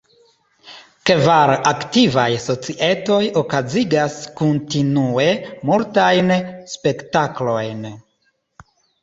Kvar aktivaj societoj okazigas kontinue multajn spektaklojn.